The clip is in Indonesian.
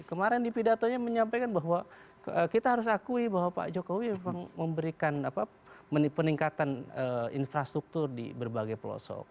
kemarin dipidatonya menyampaikan bahwa kita harus akui bahwa pak jokowi memberikan apa peningkatan infrastruktur di berbagai pelosok